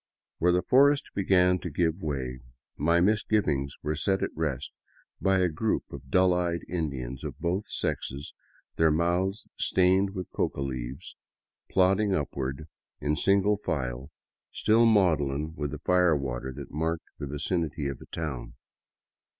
Where the forest began to give way, my misgivings were set at rest by a group of dull eyed Indians of both sexes, their mouths stained with coca leaves, plodding upward in single file, still maudlin with the fire water that marked the vicinity of a town.